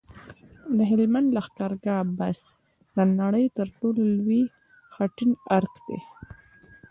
د هلمند لښکرګاه بست د نړۍ تر ټولو لوی خټین ارک دی